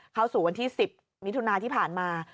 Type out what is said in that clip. เข้าสู่วันที่๑๐มิถุนาที่ผ่านมา